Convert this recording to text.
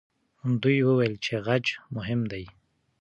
دوی وویل چې خج مهم دی.